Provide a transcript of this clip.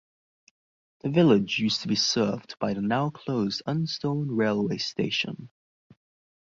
The village used to be served by the now-closed Unstone railway station.